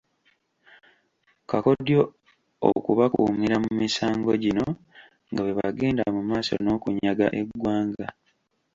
Kakodyo okubakuumira mu misango gino nga bwe bagenda mu maaso n'okunyaga eggwanga.